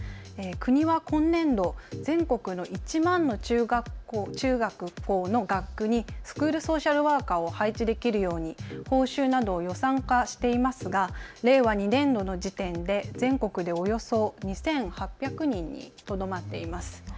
国は今年度、全国の１万の中学校の学区にスクールソーシャルワーカーを配置できるように報酬などを予算化していますが令和２年度の時点で全国でおよそ２８００人にとどまっています。